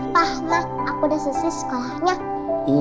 pak mak aku udah selesai sekolahnya